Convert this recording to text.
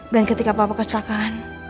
dan ketika papa kecelakaan